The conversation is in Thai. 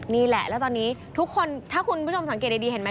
นี่แหละแล้วตอนนี้ทุกคนถ้าคุณผู้ชมสังเกตดีเห็นไหม